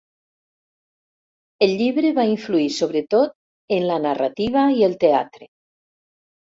El llibre va influir sobretot en la narrativa i el teatre.